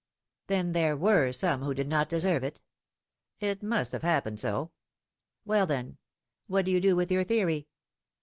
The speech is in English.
^^ '^Then there were some who did not deserve it?^* It must have happened so.'^ Well, then ! what do you do with your theory?